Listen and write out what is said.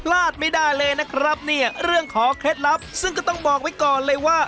ลาดไม่ได้เลยนะครับเนี่ยเรื่องของเคล็ดลับซึ่งก็ต้องบอกไว้ก่อนเลยว่า